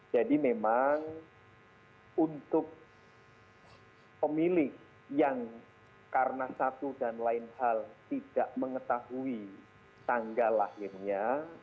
jadi memang untuk pemilik yang karena satu dan lain hal tidak mengetahui tanggal lahirnya